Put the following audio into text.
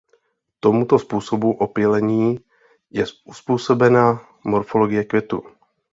Tomuto způsobu opylení je uzpůsobena morfologie květů.